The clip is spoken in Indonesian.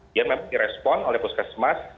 dia memang direspon oleh puskesmas